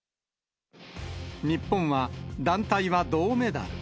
日本は団体は銅メダル。